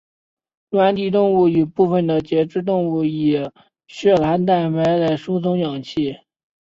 软体动物与部分的节肢动物以血蓝蛋白来输送氧气。